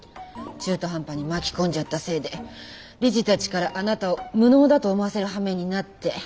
中途半端に巻き込んじゃったせいで理事たちからあなたを無能だと思わせるはめになって。